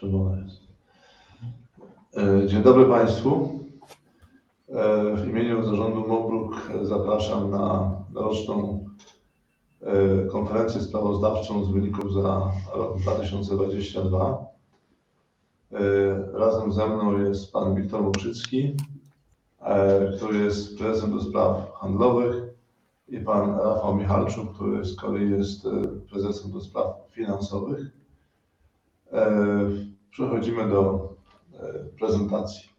O, czerwona jest. Dzień dobry państwu. W imieniu zarządu Mo-BRUK zapraszam na roczną konferencję sprawozdawczą z wyników za rok 2022. Razem ze mną jest pan Wiktor Mokrzycki, który jest prezesem do spraw handlowych, i pan Rafał Michalczuk, który z kolei jest prezesem do spraw finansowych. Przechodzimy do prezentacji.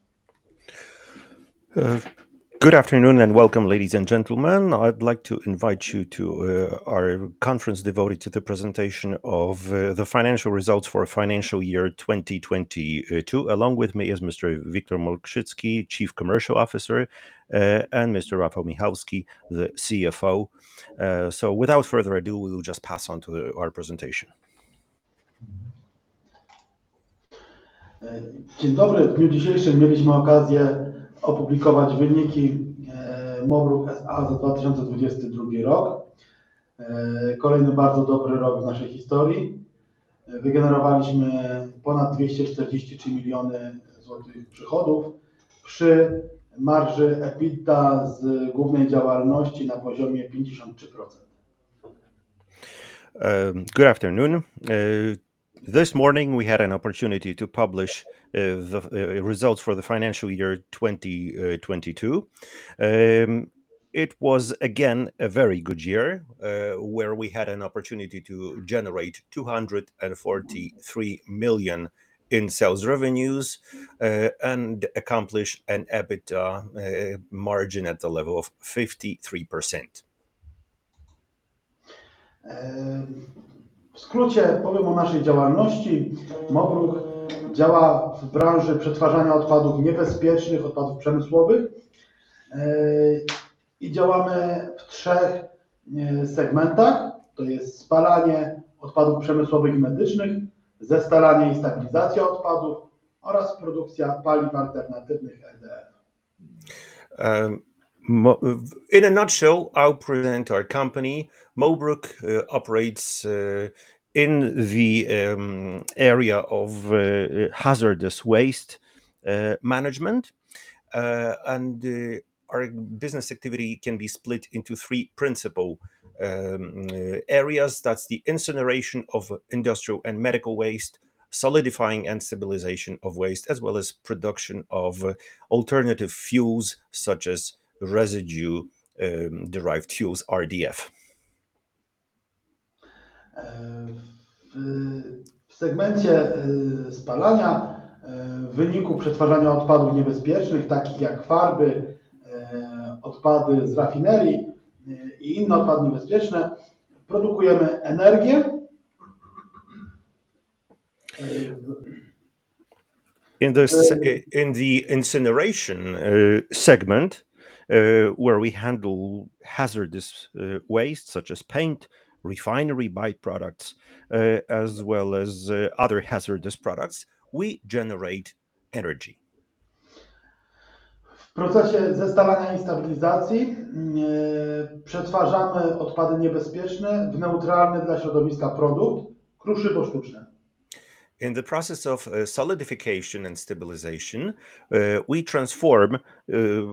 Good afternoon and welcome ladies and gentlemen. I'd like to invite you to our conference devoted to the presentation of the financial results for financial year 2022. Along with me is Mr. Wiktor Mokrzycki, Chief Commercial Officer and Mr. Rafał Michalczuk, the CFO. So without further ado, we will just pass on to our presentation. Dzień dobry. W dniu dzisiejszym mieliśmy okazję opublikować wyniki, Mo-BRUK S.A. za 2022 rok. Kolejny bardzo dobry rok w naszej historii. Wygenerowaliśmy ponad 243 zlotys miliony przychodów przy marży EBITDA z głównej działalności na poziomie 53%. Good afternoon. This morning we had an opportunity to publish the results for the financial year 2022. It was again a very good year, where we had an opportunity to generate 243 million in sales revenues and accomplish an EBITDA margin at the level of 53%. W skrócie powiem o naszej działalności. Mo-BRUK działa w branży przetwarzania odpadów niebezpiecznych, odpadów przemysłowych, i działamy w 3 segmentach. To jest spalanie odpadów przemysłowych i medycznych, zestalanie i stabilizacja odpadów oraz produkcja paliw alternatywnych RDF. In a nutshell, I'll present our company. Mo-BRUK operates in the area of hazardous waste management. Our business activity can be split into three principal areas. That's the incineration of industrial and medical waste, solidifying and stabilization of waste, as well as production of alternative fuels such as residue derived fuels, RDF. W segmencie spalania wyniku przetwarzania odpadów niebezpiecznych, takich jak farby, odpady z rafinerii i inne odpady niebezpieczne produkujemy energię. In the incineration segment, where we handle hazardous waste such as paint, refinery by-products, as well as other hazardous products, we generate energy. W procesie zestalania i stabilizacji, przetwarzamy odpady niebezpieczne w neutralny dla środowiska produkt, kruszywo sztuczne. In the process of solidification and stabilization, we transform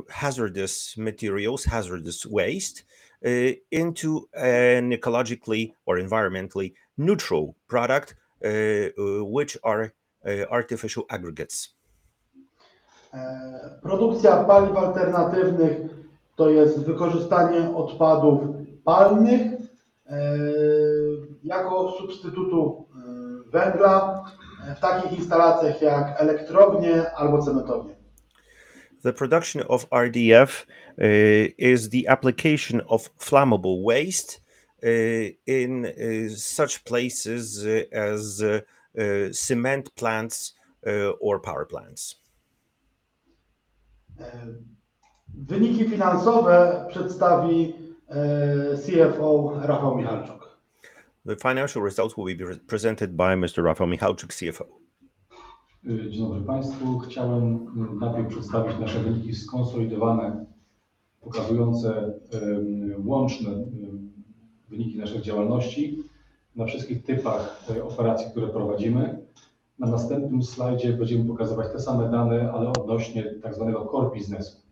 hazardous materials, hazardous waste, into an ecologically or environmentally neutral product, which are artificial aggregates. produkcja paliw alternatywnych to jest wykorzystanie odpadów palnych, jako substytutu, węgla w takich instalacjach jak elektrownie albo cementownie. The production of RDF is the application of flammable waste in such places as cement plants or power plants. Wyniki finansowe przedstawi CFO Rafał Michalczuk. The financial results will be presented by Mr. Rafał Michalczuk, CFO. Dzień dobry państwu. Chciałem najpierw przedstawić nasze wyniki skonsolidowane, pokazujące łączne wyniki naszych działalności na wszystkich typach operacji, które prowadzimy. Na następnym slajdzie będziemy pokazywać te same dane, ale odnośnie tak zwanego core business.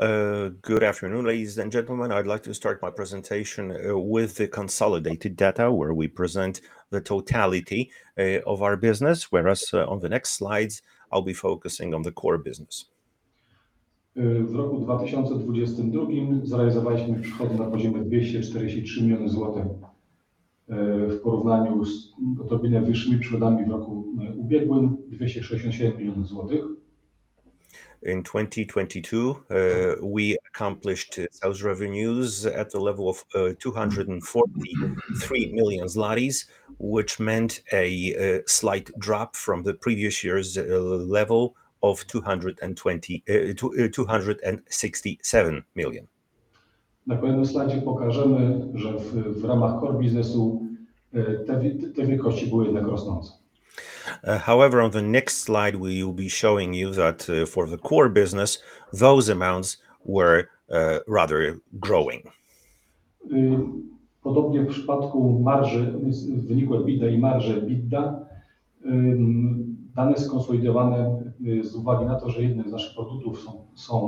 Good afternoon, ladies and gentlemen. I'd like to start my presentation with the consolidated data where we present the totality of our business. Whereas on the next slides, I'll be focusing on the core business. W roku 2022 zrealizowaliśmy przychody na poziomie 243 million zlotys, w porównaniu z notowinie wyższymi przychodami w roku ubiegłym 267 million zlotys. In 2022, we accomplished sales revenues at the level of PLN 243 million, which meant a slight drop from the previous year's level of PLN 267 million. Na kolejnym slajdzie pokażemy, że w ramach core biznesu, te wielkości były jednak rosnące. On the next slide, we will be showing you that, for the core business, those amounts were rather growing. Podobnie w przypadku marży z wyniku EBITDA i marży EBITDA, dane skonsolidowane z uwagi na to, że jednym z naszych produktów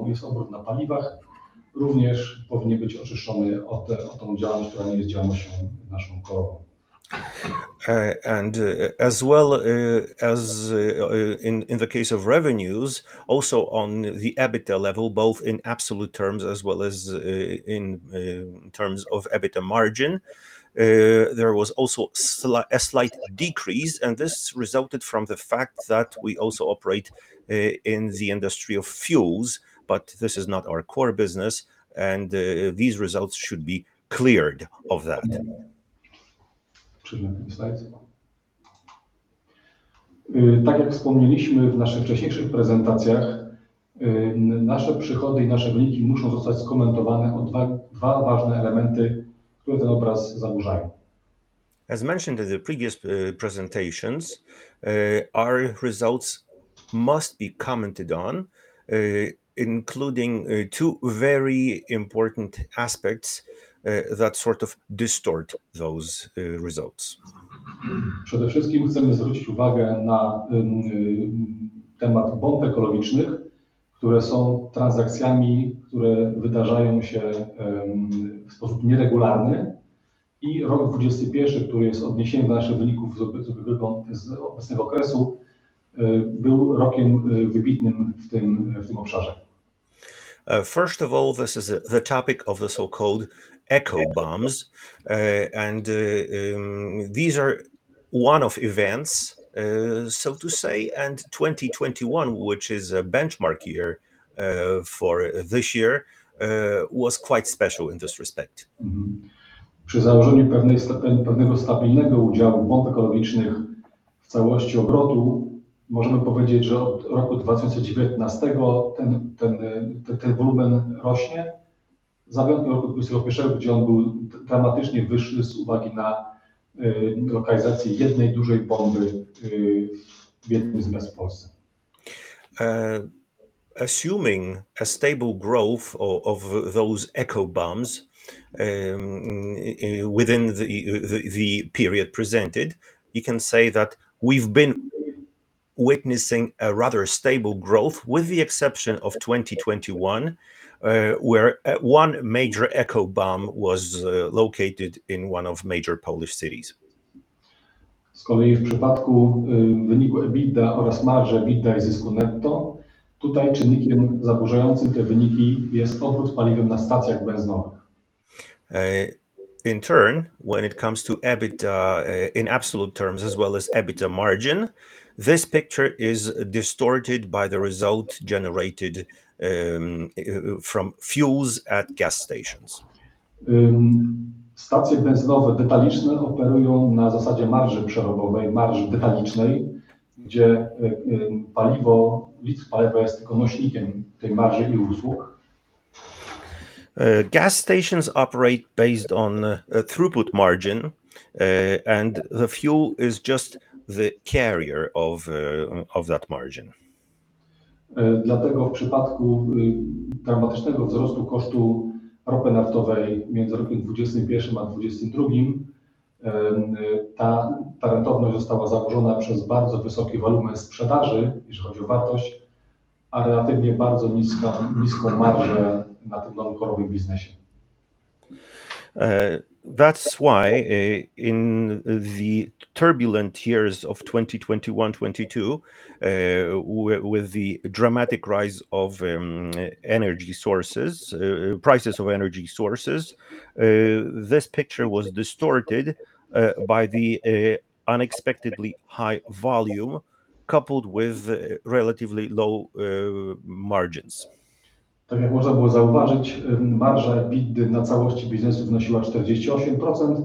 jest obrót na paliwach, również powinien być oczyszczony o te, o tą działalność, która nie jest działalnością naszą korową. As well, as, in the case of revenues, also on the EBITDA level, both in absolute terms as well as, in, terms of EBITDA margin. There was also a slight decrease, and this resulted from the fact that we also operate, in the industry of fuels. This is not our core business, and these results should be cleared of that. Przejdźmy do slajdu. Tak jak wspomnieliśmy w naszych wcześniejszych prezentacjach, nasze przychody i nasze wyniki muszą zostać skomentowane o 2 ważne elementy, które ten obraz zaburzają. As mentioned in the previous presentations, our results must be commented on, including two very important aspects, that sort of distort those results. Przede wszystkim chcemy zwrócić uwagę na temat bomb ekologicznych, które są transakcjami, które wydarzają się w sposób nieregularny. Rok 21., który jest odniesieniem do naszych wyników z obecnego okresu, był rokiem wybitnym w tym obszarze. First of all, this is the topic of the so-called eco bombs. These are one-off events, so to say. 2021, which is a benchmark year, for this year, was quite special in this respect. Mm-hmm. Przy założeniu pewnego stabilnego udziału bomb ekologicznych w całości obrotu możemy powiedzieć, że od roku 2019 ten wolumen rośnie. Za wyjątkiem roku 2021, gdzie on był dramatycznie wyższy z uwagi na lokalizację jednej dużej bomby w jednym z miast w Polsce. Assuming a stable growth of those eco bombs, within the period presented, you can say that we've been witnessing a rather stable growth, with the exception of 2021, where one major eco bomb was located in one of major Polish cities. W przypadku, wyniku EBITDA oraz marży EBITDA i zysku netto tutaj czynnikiem zaburzającym te wyniki jest obrót paliwem na stacjach benzynowych. In turn, when it comes to EBITDA, in absolute terms, as well as EBITDA margin, this picture is distorted by the result generated from fuels at gas stations. Stacje benzynowe detaliczne operują na zasadzie marży przerobowej, marży detalicznej, gdzie paliwo, litr paliwa jest tylko nośnikiem tej marży i usług. Gas stations operate based on throughput margin. The fuel is just the carrier of that margin. W przypadku dramatycznego wzrostu kosztu ropy naftowej między rokiem 2021 a 2022, ta rentowność została zaburzona przez bardzo wysoki wolumen sprzedaży, jeśli chodzi o wartość, a relatywnie bardzo niską marżę na tym non-core'owym biznesie. That's why, in the turbulent years of 2021, 2022, with the dramatic rise of energy sources, prices of energy sources, this picture was distorted by the unexpectedly high volume coupled with relatively low margins. Tak jak można było zauważyć, marża EBITDA na całości biznesu wynosiła 48%,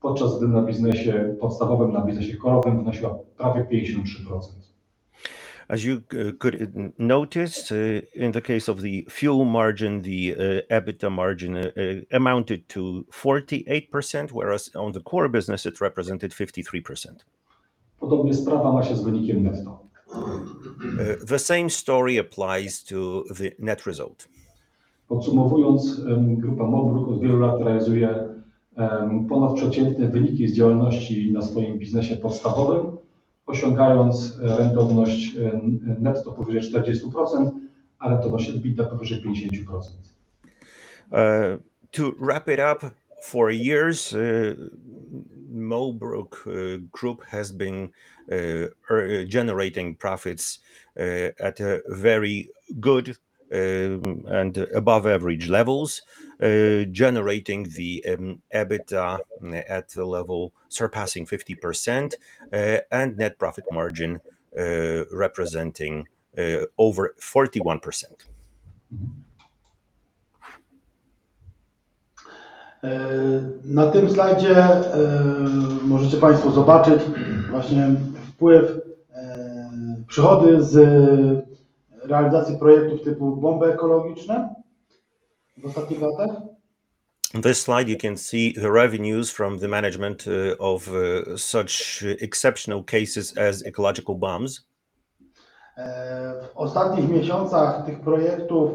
podczas gdy na biznesie podstawowym, na biznesie korowym wynosiła prawie 53%. As you could notice, in the case of the fuel margin, the EBITDA margin amounted to 48%, whereas on the core business, it represented 53%. Podobnie sprawa ma się z wynikiem netto. The same story applies to the net result. Podsumowując, Mo-BRUK Group od wielu lat realizuje ponadprzeciętne wyniki z działalności na swoim core business, osiągając rentowność netto powyżej 40%, ale to właśnie EBITDA powyżej 50%. To wrap it up, for years, Mo-BRUK Group has been generating profits at a very good and above average levels, generating the EBITDA at a level surpassing 50% and net profit margin representing over 41%. Na tym slajdzie, możecie państwo zobaczyć właśnie wpływ, przychody z realizacji projektów typu bomby ekologiczne. W ostatnim czasie. On this slide you can see the revenues from the management, of, such exceptional cases as ecological bombs. W ostatnich miesiącach tych projektów,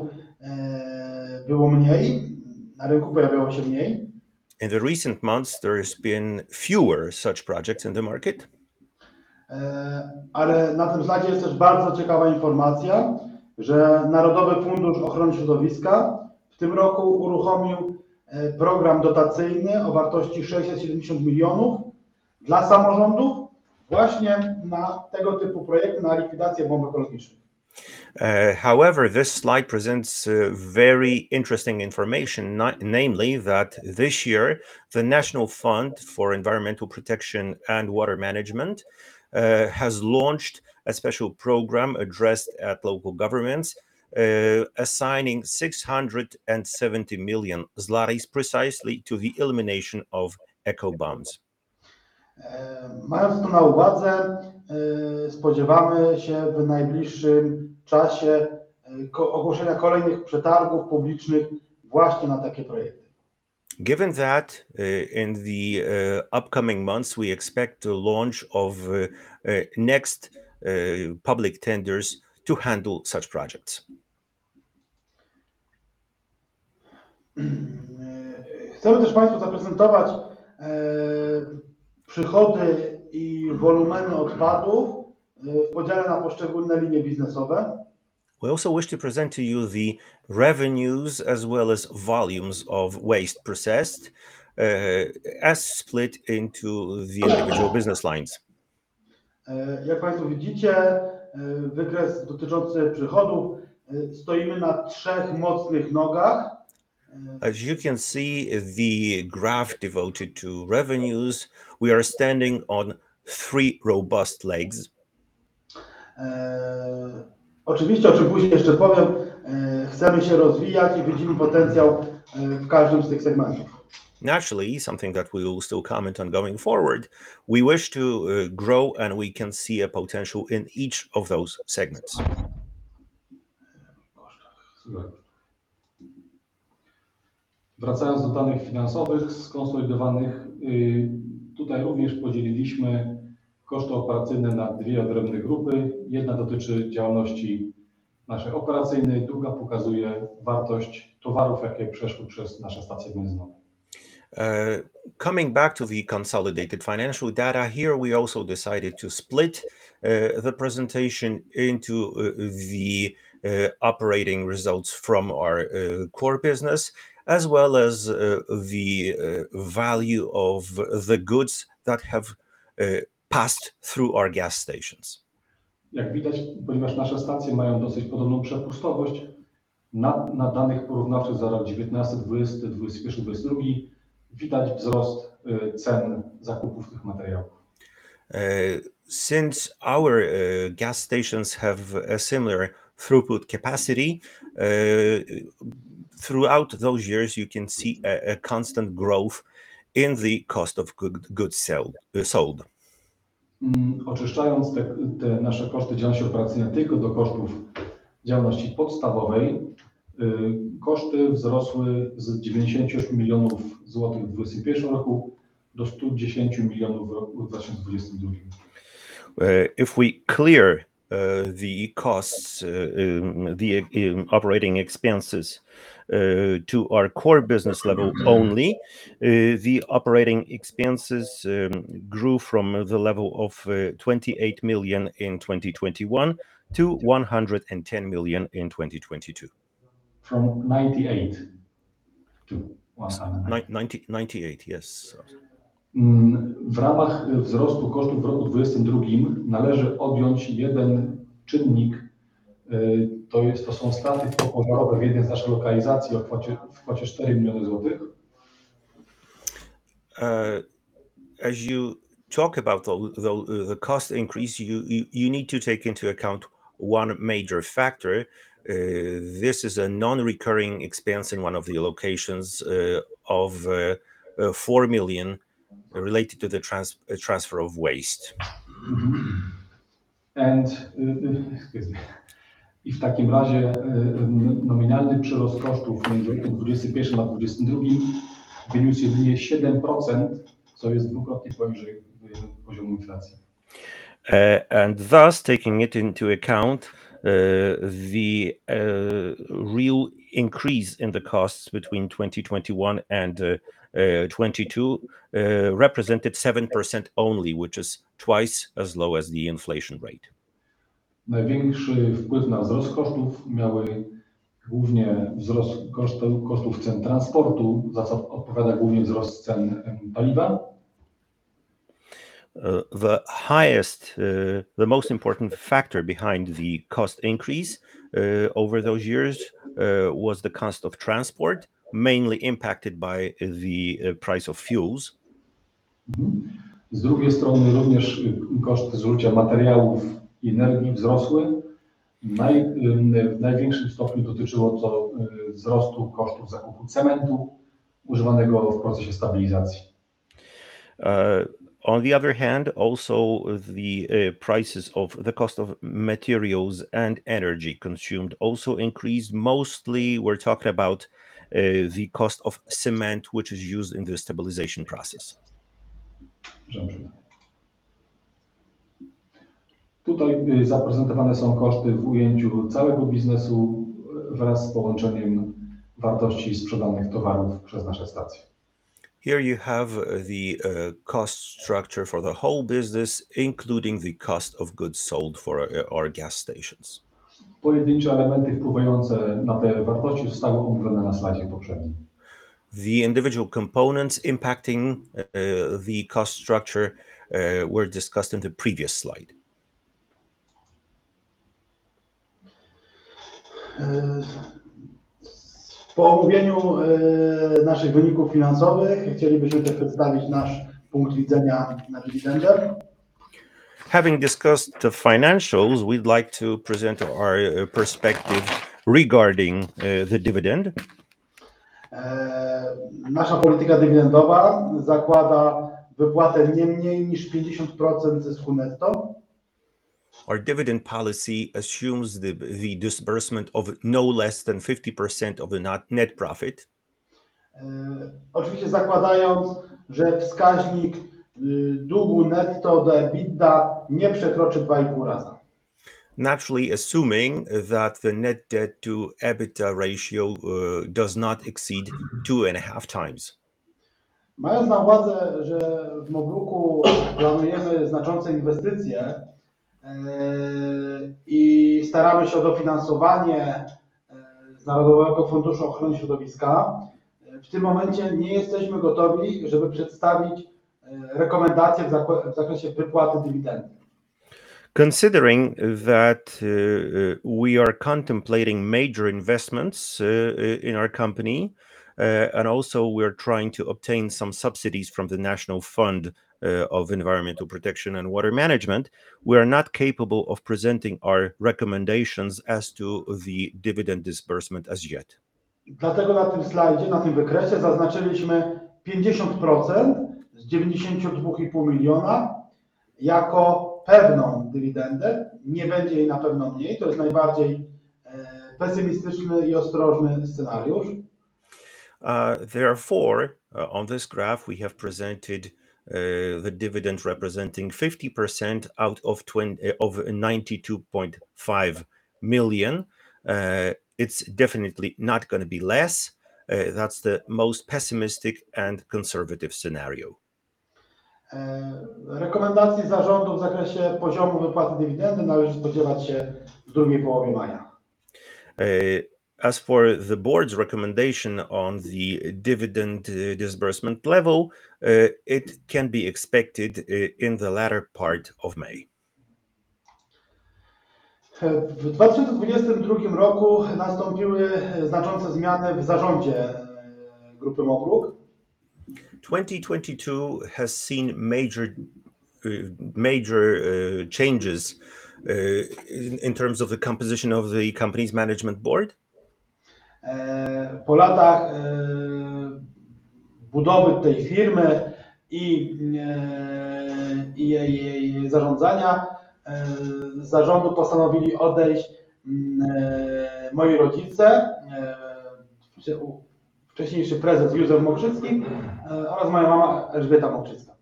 było mniej. Na rynku pojawiało się mniej. In the recent months there's been fewer such projects in the market. Na tym slajdzie jest też bardzo ciekawa informacja, że Narodowy Fundusz Ochrony Środowiska w tym roku uruchomił program dotacyjny o wartości 670 million dla samorządów właśnie na tego typu projekty, na likwidację bomb ekologicznych. This slide presents very interesting information. Namely that this year the National Fund for Environmental Protection and Water Management has launched a special program addressed at local governments, assigning 670 million zloty precisely to the elimination of eco bombs. Mając to na uwadze, spodziewamy się w najbliższym czasie ogłoszenia kolejnych przetargów publicznych właśnie na takie projekty. Given that, in the upcoming months, we expect to launch of next public tenders to handle such projects. Chcemy też państwu zaprezentować, przychody i wolumeny odpadów, w podziale na poszczególne linie biznesowe. We also wish to present to you the revenues as well as volumes of waste processed, as split into the individual business lines. jak państwo widzicie, wykres dotyczący przychodów. Stoimy na three mocnych nogach. As you can see the graph devoted to revenues, we are standing on three robust legs. Oczywiście, o czym później jeszcze powiem, chcemy się rozwijać i widzimy potencjał, w każdym z tych segmentów. Naturally, something that we will still comment on going forward. We wish to grow and we can see a potential in each of those segments. Koszty. Zgadza się. Wracając do danych finansowych skonsolidowanych. Tutaj również podzieliliśmy koszty operacyjne na 2 odrębne grupy. Jedna dotyczy działalności naszej operacyjnej, druga pokazuje wartość towarów, jakie przeszły przez nasze stacje benzynowe. Coming back to the consolidated financial data here, we also decided to split the presentation into the operating results from our core business, as well as the value of the goods that have passed through our gas stations. Jak widać, ponieważ nasze stacje mają dosyć podobną przepustowość na danych porównawczych za rok 2019, 2020, 2021, 2022 widać wzrost cen zakupu tych materiałów. Since our gas stations have a similar throughput capacity, throughout those years, you can see a constant growth in the cost of goods sold. Oczyszczając te nasze koszty działalności operacyjnej tylko do kosztów działalności podstawowej, koszty wzrosły z 98 zlotys milionów w 2021 roku do 110 milionów w 2022 roku. If we clear the costs, the operating expenses to our core business level only, the operating expenses grew from the level of 28 million in 2021 to 110 million in 2022. From 98 to. 98. Yes. W ramach wzrostu kosztów w roku 2022 należy odjąć jeden czynnik. To są straty popowodziowe w jednej z naszych lokalizacji w kwocie PLN 4 million. As you talk about the cost increase, you need to take into account one major factor. This is a non-recurring expense in one of the locations, of, 4 million related to the transfer of waste. Excuse me. W takim razie, nominalny przyrost kosztów między 21st a 22nd wyniósł jedynie 7%, co jest dwukrotnie poniżej poziomu inflacji. Thus taking it into account, the real increase in the costs between 2021 and 2022 represented 7% only, which is twice as low as the inflation rate. Największy wpływ na wzrost kosztów miały głównie wzrost kosztów cen transportu, za co odpowiada głównie wzrost cen paliwa. The highest, the most important factor behind the cost increase, over those years, was the cost of transport, mainly impacted by the price of fuels. Mhm. Z drugiej strony również koszty zakupu materiałów i energii wzrosły. W największym stopniu dotyczyło to, wzrostu kosztów zakupu cementu używanego w procesie stabilizacji. On the other hand, also the prices of the cost of materials and energy consumed also increased. Mostly we're talking about the cost of cement, which is used in the stabilization process. Zrozumiałem. Tutaj zaprezentowane są koszty w ujęciu całego biznesu wraz z połączeniem wartości sprzedanych towarów przez nasze stacje. Here you have the cost structure for the whole business, including the cost of goods sold for our gas stations. Pojedyncze elementy wpływające na te wartości zostały omówione na slajdzie poprzednim. The individual components impacting the cost structure were discussed in the previous slide. Po omówieniu naszych wyników finansowych chcielibyśmy też przedstawić nasz punkt widzenia na dywidendę. Having discussed the financials, we'd like to present our perspective regarding the dividend. Nasza polityka dywidendowa zakłada wypłatę nie mniej niż 50% zysku netto. Our dividend policy assumes the disbursement of no less than 50% of the net profit. Oczywiście zakładając, że wskaźnik długu netto do EBITDA nie przekroczy 2.5x. Naturally, assuming that the net debt to EBITDA ratio does not exceed 2.5x. Mając na uwadze, że w Mo-BRUKu planujemy znaczące inwestycje, i staramy się o dofinansowanie, z Narodowego Funduszu Ochrony Środowiska, w tym momencie nie jesteśmy gotowi, żeby przedstawić, rekomendacje w zakresie wypłaty dywidendy. Considering that we are contemplating major investments in our company, and also we're trying to obtain some subsidies from the National Fund for Environmental Protection and Water Management, we are not capable of presenting our recommendations as to the dividend disbursement as yet. Na tym slajdzie, na tym wykresie zaznaczyliśmy 50% z 92.5 miliona jako pewną dywidendę. Nie będzie jej na pewno mniej. To jest najbardziej pesymistyczny i ostrożny scenariusz. On this graph, we have presented the dividend representing 50% out of 92.5 million. It's definitely not gonna be less. That's the most pessimistic and conservative scenario. Rekomendacji zarządu w zakresie poziomu wypłaty dywidendy należy spodziewać się w drugiej połowie maja. As for the Board's recommendation on the dividend, disbursement level, it can be expected in the latter part of May. W 2022 roku nastąpiły znaczące zmiany w zarządzie Grupy Mo-BRUK. 2022 has seen major changes, in terms of the composition of the company's management Board. Po latach budowy tej firmy i i jej zarządzania z zarządu postanowili odejść moi rodzice, w tym wcześniejszy Prezes Józef Mokrzycki oraz moja mama Elżbieta Mokrzycka.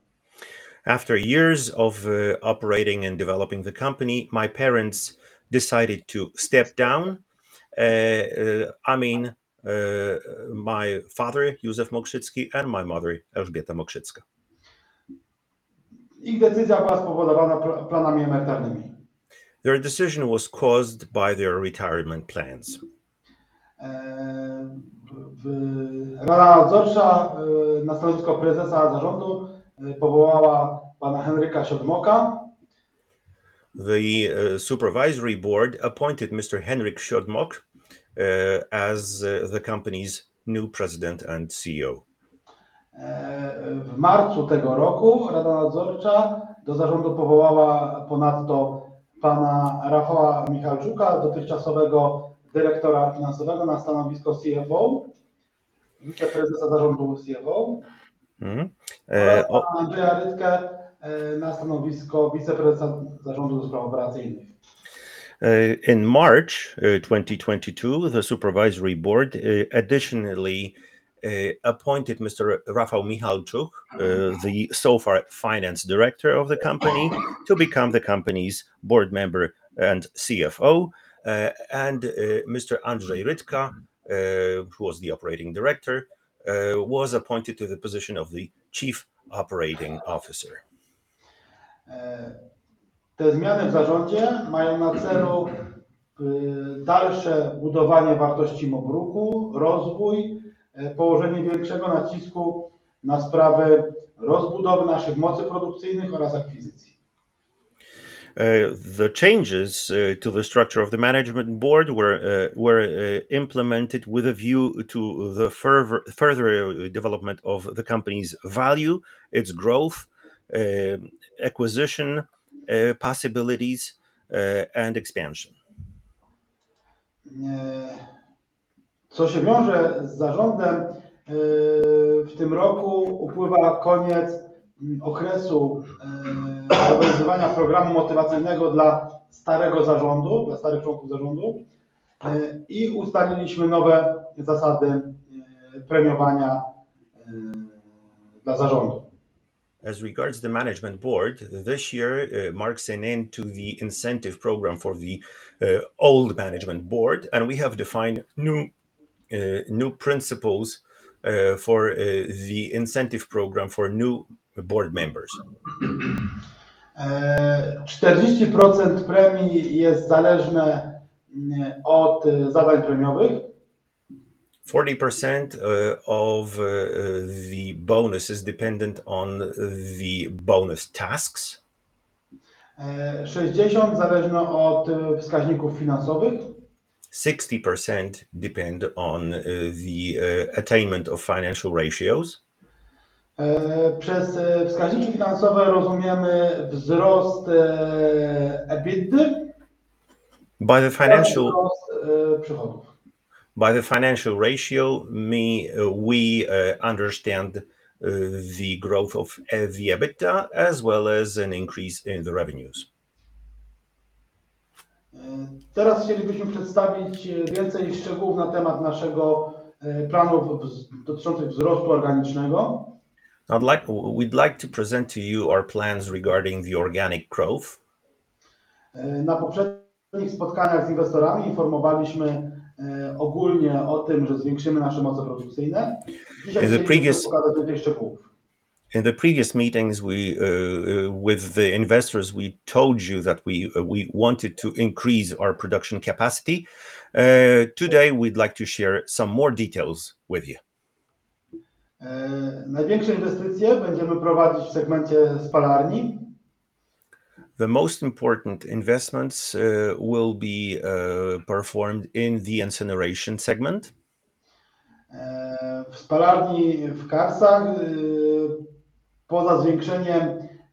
After years of operating and developing the company, my parents decided to step down. I mean, my father, Józef Mokrzycki, and my mother, Elżbieta Mokrzycka. Ich decyzja była spowodowana planami emerytalnymi. Their decision was caused by their retirement plans. Rada nadzorcza na stanowisko prezesa zarządu powołała pana Henryka Siodmoka. The supervisory board appointed Mr. Henryk Siodmok as the company's new President and CEO. W marcu tego roku rada nadzorcza do zarządu powołała ponadto pana Rafała Michalczuka, dotychczasowego dyrektora finansowego na stanowisko CFO, wiceprezesa zarządu CFO oraz pana Andrzeja Rytkę, na stanowisko Wiceprezesa Zarządu do spraw Operacyjnych. In March, 2022, the supervisory board, additionally, appointed Mr. Rafał Michalczuk, the so far, Finance Director of the company, to become the company's Board Member and CFO. And Mr. Andrzej Rytka, who was the Operating Director, was appointed to the position of the Chief Operating Officer. Te zmiany w zarządzie mają na celu, dalsze budowanie wartości Mo-BRUK, rozwój, położenie większego nacisku na sprawę rozbudowy naszych mocy produkcyjnych oraz akwizycji. The changes to the structure of the management board were implemented with a view to the further development of the company's value, its growth, acquisition possibilities, and expansion. Co się wiąże z zarządem, w tym roku upływa koniec okresu, obowiązywania programu motywacyjnego dla starego zarządu, dla starych członków zarządu, i ustaliliśmy nowe zasady, premiowania, dla zarządu. As regards the management board, this year, marks an end to the incentive program for the old management board, and we have defined new principles, for the incentive program for new board members. 40% premii jest zależne od zadań premiowych. 40% of the bonus is dependent on the bonus tasks. 60 zależna od wskaźników finansowych. 60% depend onthe attainment of financial ratios. Przez wskaźniki finansowe rozumiemy wzrost EBITDA oraz wzrost przychodów. By the financial ratio we understand the growth of the EBITDA as well as an increase in the revenues. Teraz chcielibyśmy przedstawić więcej szczegółów na temat naszego planu dotyczących wzrostu organicznego. We'd like to present to you our plans regarding the organic growth. Na poprzednich spotkaniach z inwestorami informowaliśmy, ogólnie o tym, że zwiększymy nasze moce produkcyjne. Dzisiaj chcielibyśmy pokazać więcej szczegółów. In the previous meetings, we, with the investors, we told you that we wanted to increase our production capacity. Today we'd like to share some more details with you. Największe inwestycje będziemy prowadzić w segmencie spalarni. The most important investments, will be, performed in the incineration segment. W spalarni w Karsach, poza zwiększeniem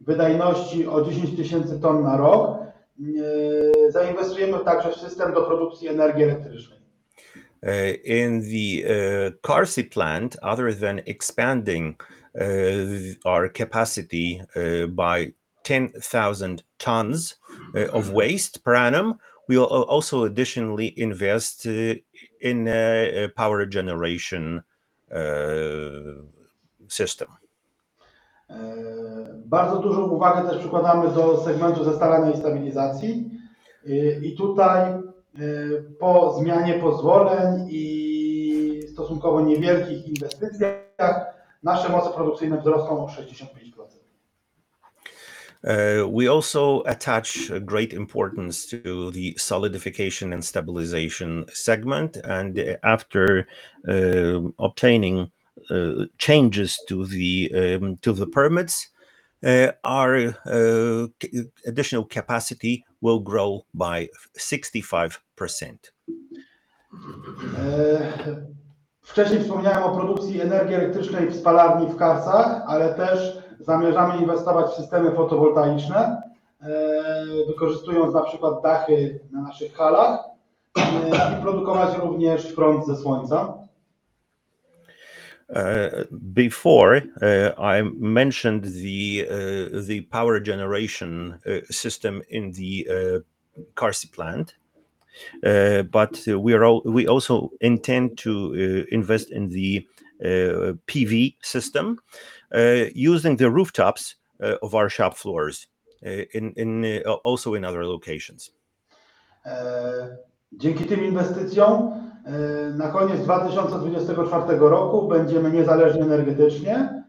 wydajności o 10,000 tons na rok, zainwestujemy także w system do produkcji energii elektrycznej. In the Karsy plant, other than expanding our capacity by 10,000 tons of waste per annum, we will also additionally invest in power generation system. Bardzo dużą uwagę też przykładamy do segmentu zestalania i stabilizacji. Tutaj po zmianie pozwoleń stosunkowo niewielkich inwestycjach nasze moce produkcyjne wzrosną o 65%. Uh, we also attach a great importance to the solidification and stabilization segment, and, uh, after, uh, obtaining, uh, changes to the, um, to the permits, uh, our, uh, additional capacity will grow by 65%. Wcześniej wspomniałem o produkcji energii elektrycznej w spalarni w Karsach, ale też zamierzamy inwestować w systemy fotowoltaiczne, wykorzystując na przykład dachy na naszych halach i produkować również prąd ze słońca. Before, I mentioned the power generation system in the Karsy plant. We also intend to invest in the PV system using the rooftops of our shop floors in also in other locations. Dzięki tym inwestycjom, na koniec 2024 roku będziemy niezależni energetycznie,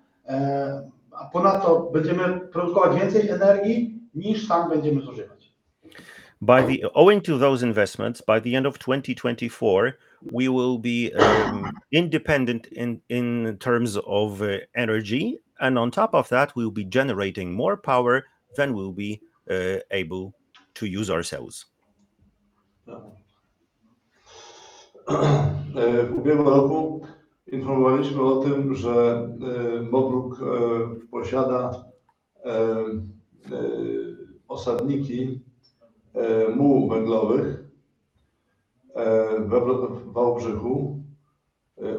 a ponadto będziemy produkować więcej energii niż sami będziemy zużywać. Owing to those investments, by the end of 2024, we will be independent in terms of energy. On top of that, we will be generating more power than we'll be able to use ourselves. W ubiegłym roku informowaliśmy o tym, że Mo-BRUK posiada osadniki mułów węglowych w Wałbrzychu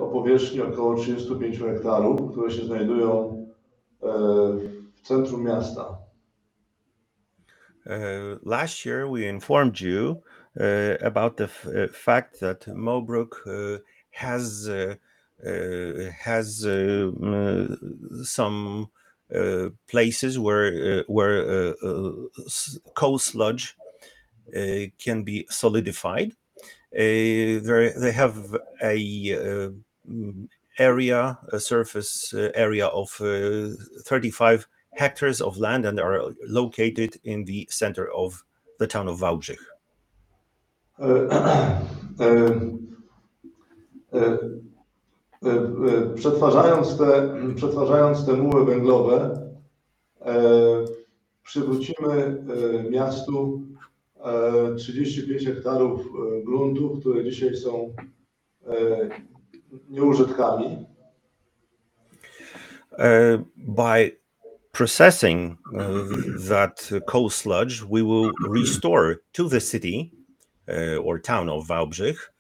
o powierzchni około 35 hectares, które się znajdują w centrum miasta. Last year we informed you about the fact that Mo-BRUK has some places where coal sludge can be solidified. They have a area, a surface area of 35 hectares of land, and they are located in the center of the town of Wałbrzych. Przetwarzając te muły węglowe, przywrócimy miastu 35 hektarów gruntu, które dzisiaj są nieużytkami. By processing that coal sludge, we will restore to the city or town of Wałbrzych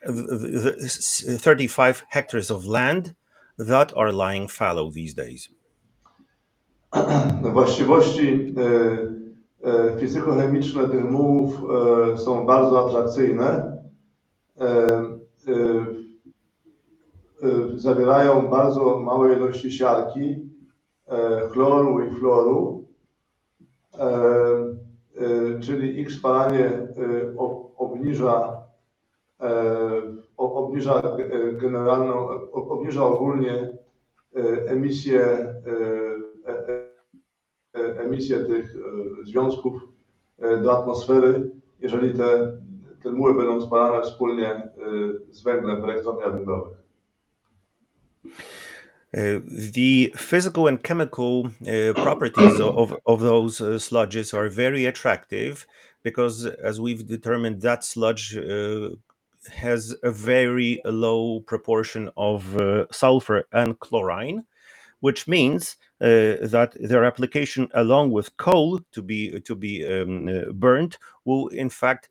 the 35 hectares of land that are lying fallow these days. Właściwości, fizykochemiczne tych mułów, są bardzo atrakcyjne. Zawierają bardzo małe ilości siarki, chloru i fluoru, czyli ich spalanie obniża ogólnie emisję tych związków do atmosfery, jeżeli te muły będą spalane wspólnie z węglem w elektrowniach węglowych. The physical and chemical properties of those sludges are very attractive because as we've determined, that sludge has a very low proportion of sulfur and chlorine, which means that their application along with coal to be burnt, will in fact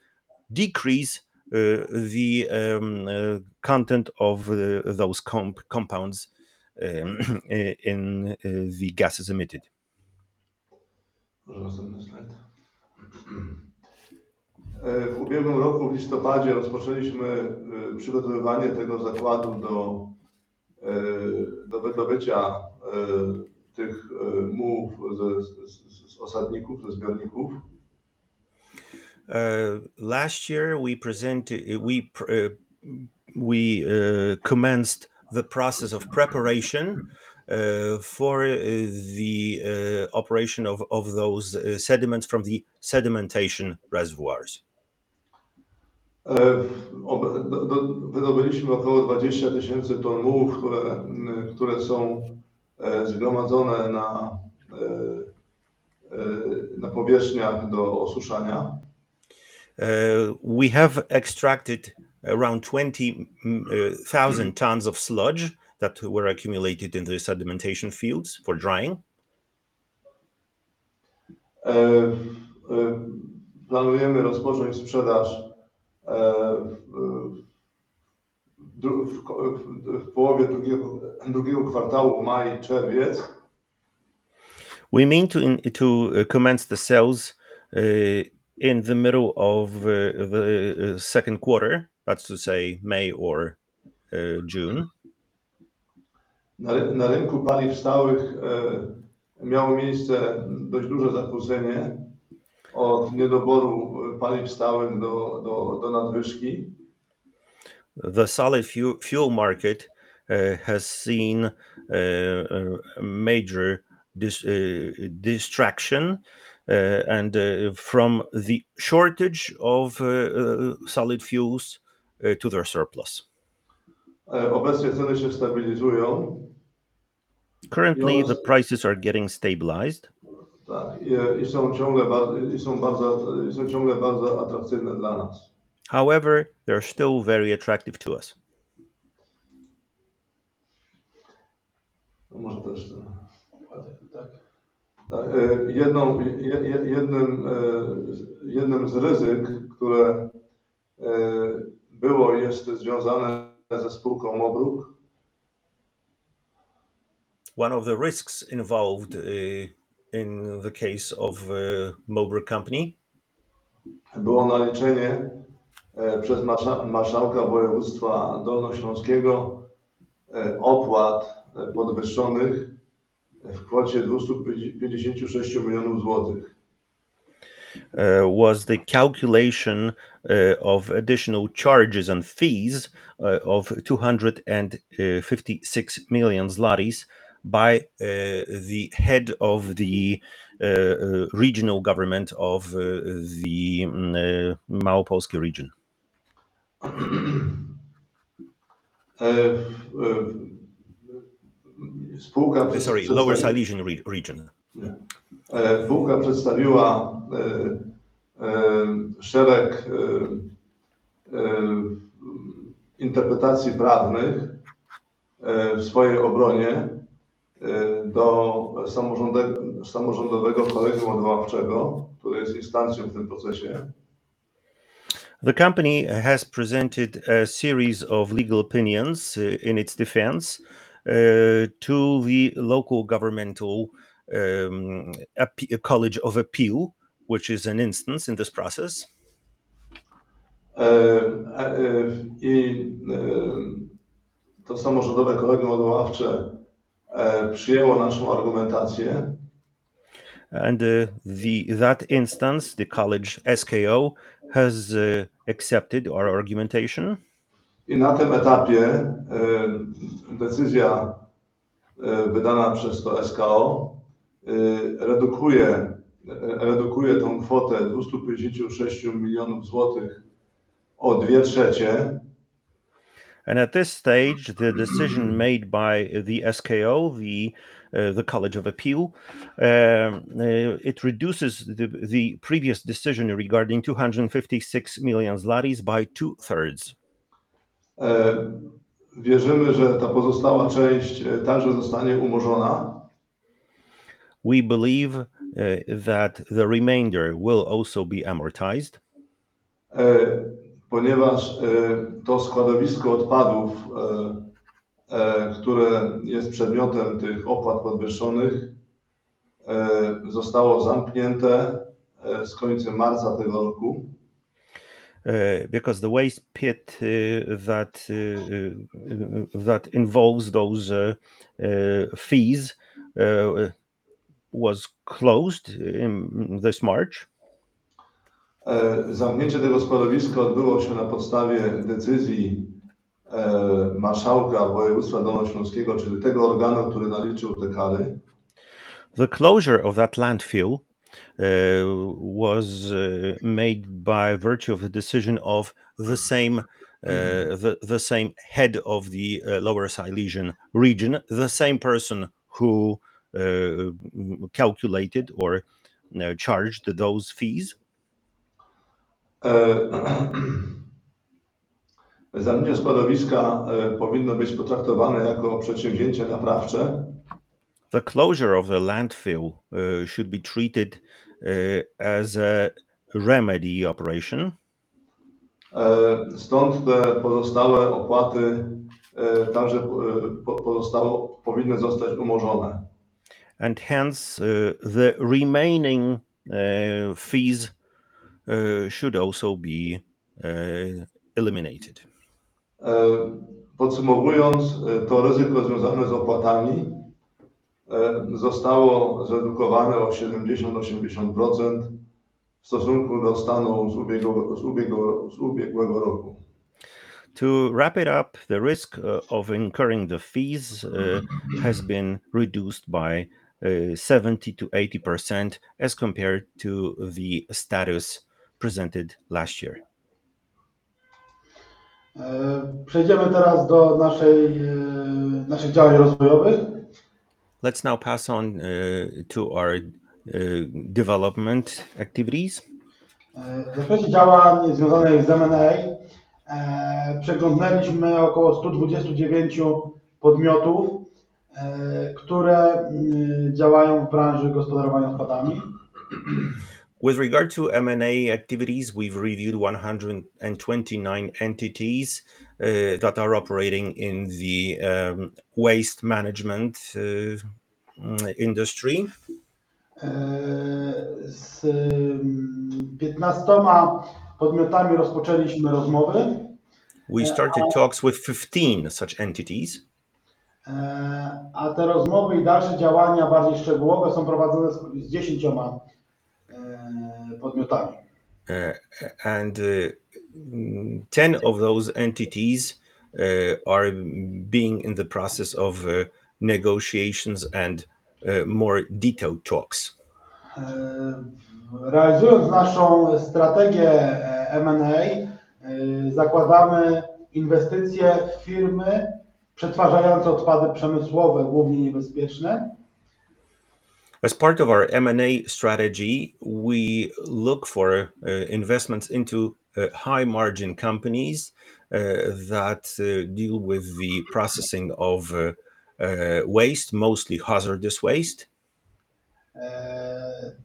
decrease the content of those compounds in the gases emitted. Proszę następny slajd. W ubiegłym roku w listopadzie rozpoczęliśmy przygotowywanie tego zakładu do do wydobycia tych mułów z osadników, ze zbiorników. Last year, we commenced the process of preparation for the operation of those sediments from the sedimentation reservoirs. Wydobyliśmy około 20,000 ton mułów, które są zgromadzone na powierzchniach do osuszania. We have extracted around 20,000 tons of sludge that were accumulated in the sedimentation fields for drying. Planujemy rozpocząć sprzedaż w połowie drugiego kwartału, maj, czerwiec. We mean to commence the sales in the middle of the second quarter. That's to say May or June. Na rynku paliw stałych, miało miejsce dość duże zakłócenie od niedoboru, paliw stałych do nadwyżki. The solid fuel market has seen major distraction and from the shortage of solid fuels to their surplus. Obecnie ceny się stabilizują. Currently, the prices are getting stabilized. Tak. Są ciągle bardzo atrakcyjne dla nas However, they're still very attractive to us. To może też to. Tak Jednym z ryzyk, które było i jest związane ze spółką Mo-BRUK. One of the risks involved, in the case of, Mo-BRUK company. Było naliczenie, przez marszałka województwa dolnośląskiego, opłat podwyższonych w kwocie 256 million zlotys. Was the calculation of additional charges and fees of 256 million zlotys by the Head of the Regional Government of the Małopolskie region. Yy, yy, spółka- Sorry, Lower Silesian region. Spółka przedstawiła szereg interpretacji prawnych w swojej obronie do Samorządowego Kolegium Odwoławczego, które jest instancją w tym procesie. The company has presented a series of legal opinions in its defense to the Local Governmental College of Appeal, which is an instance in this process. To Samorządowe Kolegium Odwoławcze przyjęło naszą argumentację. That instance, the college SKO has accepted our argumentation. Na tym etapie, decyzja, wydana przez to SKO, redukuje tą kwotę PLN 256 milionów o dwie trzecie. At this stage, the decision made by the SKO, the College of Appeal, it reduces the previous decision regarding 256 million by 2/3. Wierzymy, że ta pozostała część także zostanie umorzona We believe, that the remainder will also be amortized. Ponieważ, to składowisko odpadów, które jest przedmiotem tych opłat podwyższonych, zostało zamknięte, z końcem marca tego roku. Because the waste pit that involves those fees was closed in this March. Zamknięcie tego składowiska odbyło się na podstawie decyzji marszałka województwa dolnośląskiego, czyli tego organu, który naliczył te kary. The closure of that landfill, was made by virtue of a decision of the same, the same Head of the Lower Silesian Region, the same person who calculated or, you know, charged those fees. Zamknięcie składowiska, powinno być potraktowane jako przedsięwzięcie naprawcze The closure of the landfill should be treated as a remedy operation. Stąd te pozostałe opłaty, także pozostałe, powinny zostać umorzone. Hence, the remaining fees should also be eliminated. podsumowując, to ryzyko związane z opłatami, zostało zredukowane o 70, 80% w stosunku do stanu z ubiegłego roku. To wrap it up, the risk of incurring the fees has been reduced by 70%-80% as compared to the status presented last year. Przejdziemy teraz do naszej, naszych działań rozwojowych. Let's now pass on to our development activities. W zakresie działań związanych z M&A, przeglądnęliśmy około 129 podmiotów, które działają w branży gospodarowania odpadami. With regard to M&A activities, we've reviewed 129 entities, that are operating in the waste management industry. Z 15 podmiotami rozpoczęliśmy rozmowy. We started talks with 15 such entities. Te rozmowy i dalsze działania, bardziej szczegółowe, są prowadzone z 10 podmiotami. 10 of those entities are being in the process of negotiations and more detailed talks. Realizując naszą strategię, M&A, zakładamy inwestycje w firmy przetwarzające odpady przemysłowe, głównie niebezpieczne. As part of our M&A strategy, we look for investments into high-margin companies that deal with the processing of waste, mostly hazardous waste.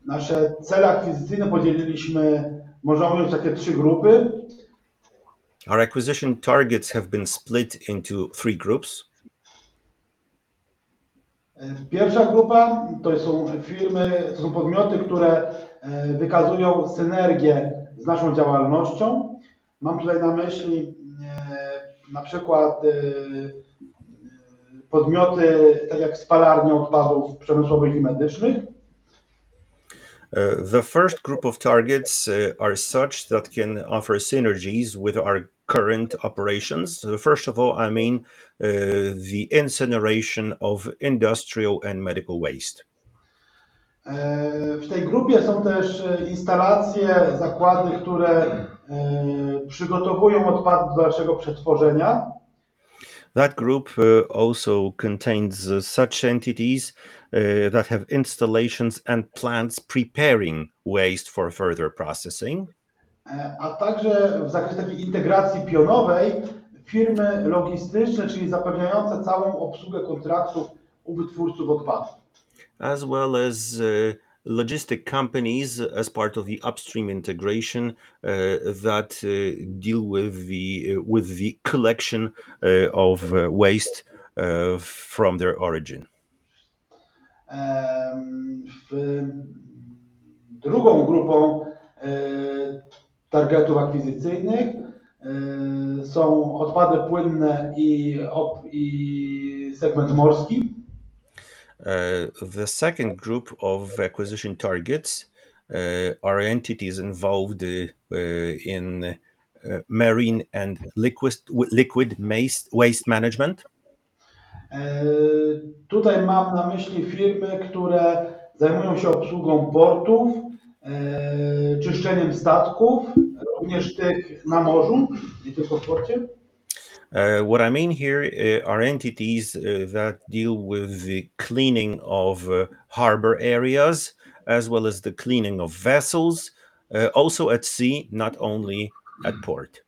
Nasze cele akwizycyjne podzieliliśmy, można powiedzieć, w takie trzy grupy. Our acquisition targets have been split into three groups. Pierwsza grupa to są firmy, to są podmioty, które wykazują synergię z naszą działalnością. Mam tutaj na myśli, na przykład, podmioty tak jak spalarnie odpadów przemysłowych i medycznych. The first group of targets are such that can offer synergies with our current operations. First of all, I mean, the incineration of industrial and medical waste. W tej grupie są też instalacje, zakłady, które przygotowują odpady do dalszego przetworzenia. That group also contains such entities that have installations and plants preparing waste for further processing. A także w zakresie takiej integracji pionowej firmy logistyczne, czyli zapewniające całą obsługę kontraktów u wytwórców odpadów. Logistic companies as part of the upstream integration, that, deal with the, with the collection, of, waste, from their origin. Drugą grupą targetów akwizycyjnych są odpady płynne i segment morski. The second group of acquisition targets, are entities involved in marine and liquid waste management. Tutaj mam na myśli firmy, które zajmują się obsługą portów, czyszczeniem statków, również tych na morzu i tych w porcie. What I mean here, are entities, that deal with the cleaning of, harbor areas, as well as the cleaning of vessels, also at sea, not only at port.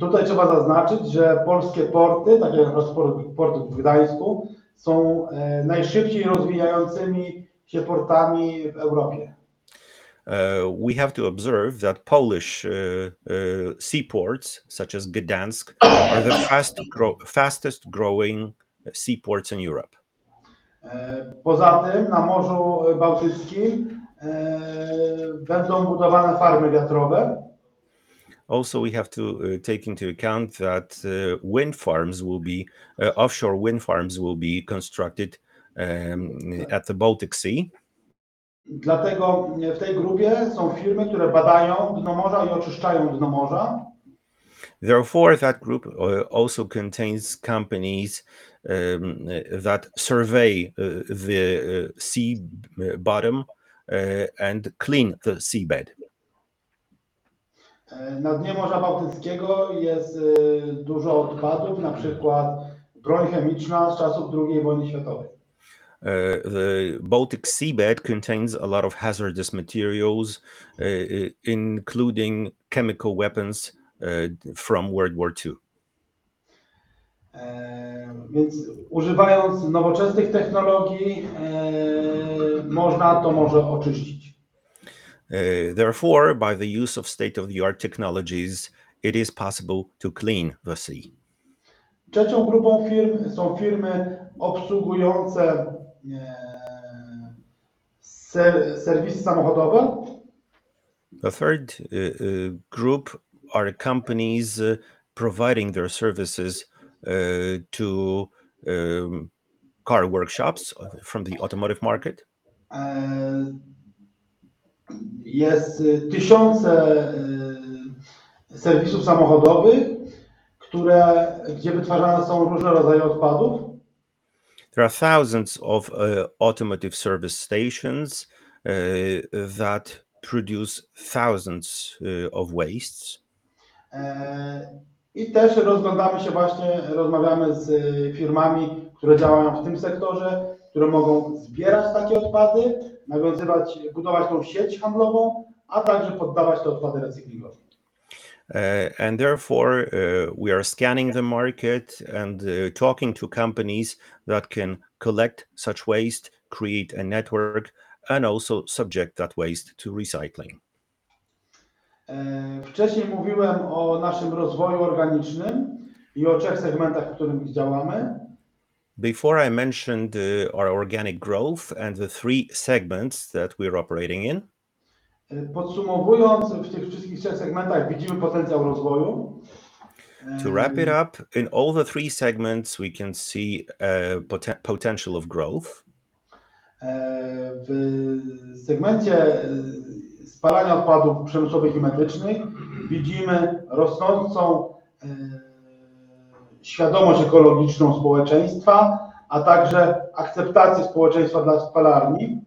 tutaj trzeba zaznaczyć, że polskie porty, takie jak na przykład port w Gdańsku, są najszybciej rozwijającymi się portami w Europie. We have to observe that Polish seaports, such as Gdańsk, are the fastest growing seaports in Europe. Poza tym na Morzu Bałtyckim będą budowane farmy wiatrowe. We have to take into account that wind farms will be offshore wind farms will be constructed at the Baltic Sea. W tej grupie są firmy, które badają dno morza i oczyszczają dno morza. That group also contains companies that survey the sea bottom and clean the seabed. Na dnie Morza Bałtyckiego jest dużo odpadów, na przykład broń chemiczna z czasów II wojny światowej. The Baltic seabed contains a lot of hazardous materials, including chemical weapons, from World War II. Więc używając nowoczesnych technologii, można to morze oczyścić. Therefore, by the use of state-of-the-art technologies, it is possible to clean the sea. Trzecią grupą firm są firmy obsługujące, serwisy samochodowe. The third group are companies providing their services to car workshops from the automotive market. Jest tysiące serwisów samochodowych, gdzie wytwarzane są różne rodzaje odpadów. There are thousands of automotive service stations that produce thousands of wastes. Też rozglądamy się właśnie, rozmawiamy z firmami, które działają w tym sektorze, które mogą zbierać takie odpady, nawiązywać, budować tą sieć handlową, a także poddawać te odpady recyklingowi. Therefore, we are scanning the market and talking to companies that can collect such waste, create a network, and also subject that waste to recycling. Wcześniej mówiłem o naszym rozwoju organicznym i o 3 segmentach, w których działamy. Before I mentioned, our organic growth and the three segments that we're operating in. Podsumowując, w tych wszystkich trzech segmentach widzimy potencjał rozwoju. To wrap it up, in all the three segments, we can see potential of growth. W segmencie spalania odpadów przemysłowych i medycznych widzimy rosnącą świadomość ekologiczną społeczeństwa, a także akceptację społeczeństwa dla spalarni. In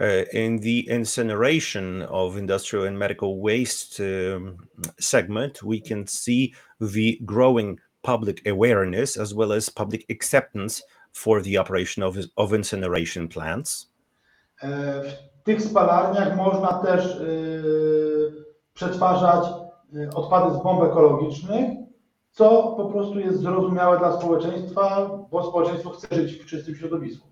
the incineration of industrial and medical waste segment, we can see the growing public awareness, as well as public acceptance for the operation of incineration plants. W tych spalarniach można też przetwarzać odpady z bomb ekologicznych, co po prostu jest zrozumiałe dla społeczeństwa, bo społeczeństwo chce żyć w czystym środowisku.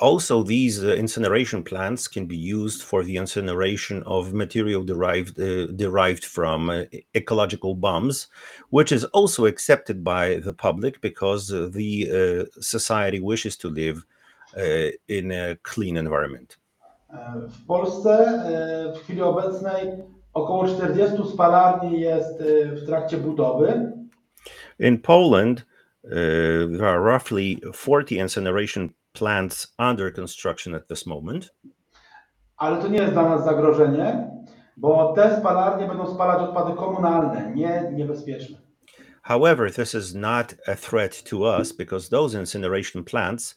Also, these incineration plants can be used for the incineration of material derived from ecological bombs, which is also accepted by the public because the society wishes to live in a clean environment. W Polsce, w chwili obecnej około 40 spalarni jest, w trakcie budowy. In Poland, there are roughly 40 incineration plants under construction at this moment. To nie jest dla nas zagrożenie, bo te spalarnie będą spalać odpady komunalne, nie niebezpieczne. However, this is not a threat to us because those incineration plants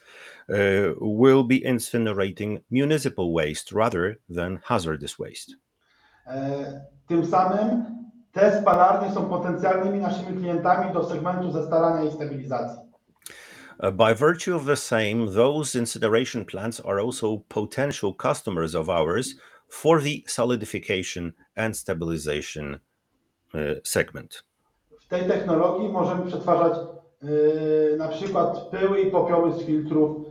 will be incinerating municipal waste rather than hazardous waste. Tym samym te spalarnie są potencjalnymi naszymi klientami do segmentu zestalania i stabilizacji. By virtue of the same, those incineration plants are also potential customers of ours for the solidification and stabilization segment. W tej technologii możemy przetwarzać, na przykład pyły i popioły z filtrów,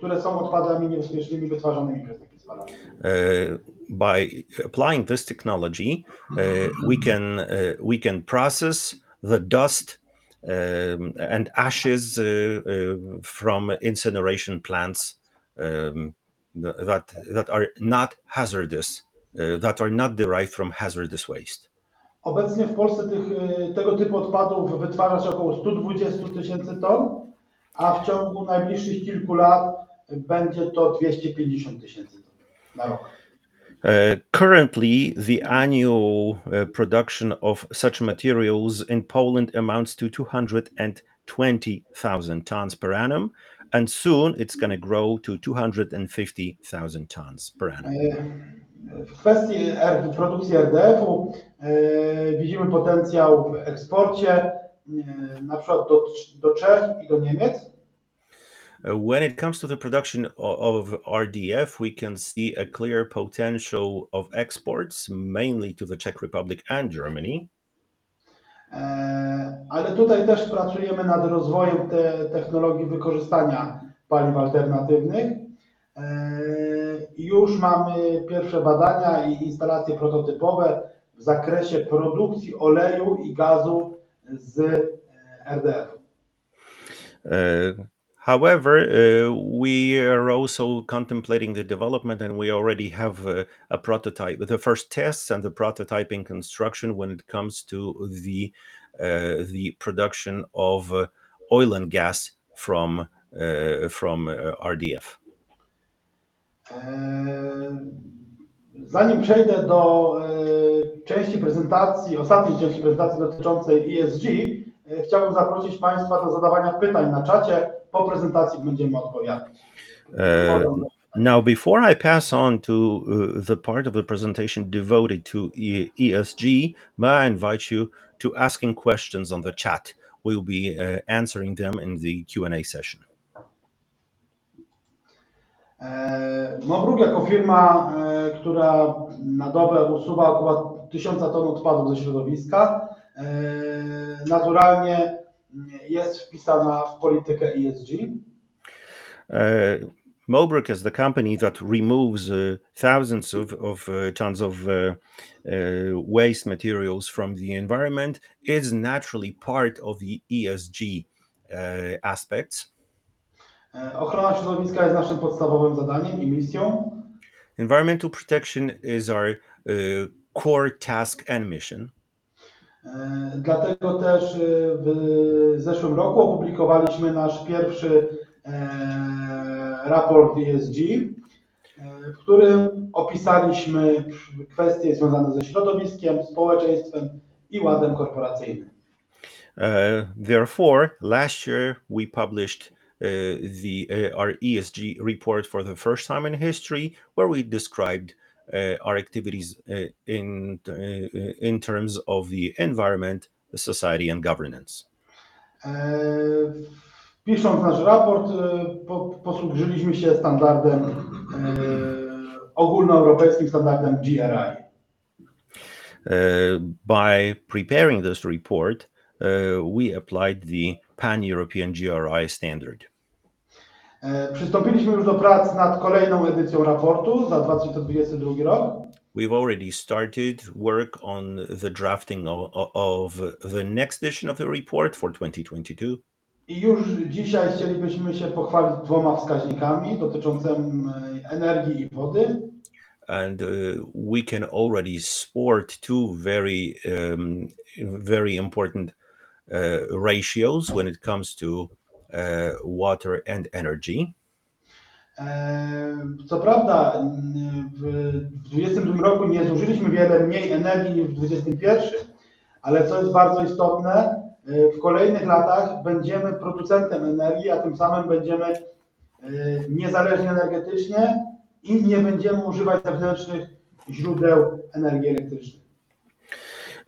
które są odpadami niebezpiecznymi wytwarzanymi przez takie spalarnie. By applying this technology, we can process the dust and ashes from incineration plants that are not hazardous, that are not derived from hazardous waste. Obecnie w Polsce tego typu odpadów wytwarza się około 120,000 tons, a w ciągu najbliższych kilku lat będzie to 250,000 tons na rok. Currently, the annual production of such materials in Poland amounts to 220,000 tons per annum, and soon it's gonna grow to 250,000 tons per annum. W kwestii produkcji RDF-u, widzimy potencjał w eksporcie, na przykład do Czech i do Niemiec. When it comes to the production of RDF, we can see a clear potential of exports, mainly to the Czech Republic and Germany. Tutaj też pracujemy nad rozwojem technologii wykorzystania paliw alternatywnych. Już mamy pierwsze badania i instalacje prototypowe w zakresie produkcji oleju i gazu z RDF. We are also contemplating the development and we already have a prototype. The first tests and the prototyping construction when it comes to the production of oil and gas from RDF. Zanim przejdę do części prezentacji, ostatniej części prezentacji dotyczącej ESG, chciałbym zaprosić państwa do zadawania pytań na czacie. Po prezentacji będziemy odpowiadać. Before I pass on to the part of the presentation devoted to ESG, may I invite you to asking questions on the chat. We'll be answering them in the Q&A session. Mo-BRUK jako firma, która na dobę usuwa około 1,000 ton odpadów ze środowiska, naturalnie jest wpisana w politykę ESG. Mo-BRUK as the company that removes thousands of waste materials from the environment is naturally part of the ESG aspects. Ochrona środowiska jest naszym podstawowym zadaniem i misją. Environmental protection is our core task and mission. W zeszłym roku opublikowaliśmy nasz pierwszy raport ESG, w którym opisaliśmy kwestie związane ze środowiskiem, społeczeństwem i ładem korporacyjnym. Therefore, last year we published our ESG Report for the first time in history, where we described our activities in terms of the environment, the society and governance. Pisząc nasz raport, posłużyliśmy się standardem, ogólnoeuropejskim standardem GRI. By preparing this report, we applied the Pan-European GRI Standards. Przystąpiliśmy już do prac nad kolejną edycją raportu za 2022 rok. We've already started work on the drafting of the next edition of the report for 2022. Już dzisiaj chcielibyśmy się pochwalić dwoma wskaźnikami dotyczącymi energii i wody. We can already sport two very, very important ratios when it comes to water and energy. W 2022 roku nie zużyliśmy wiele mniej energii niż w 2021, co jest bardzo istotne, w kolejnych latach będziemy producentem energii, a tym samym będziemy niezależni energetycznie i nie będziemy używać zewnętrznych źródeł energii elektrycznej.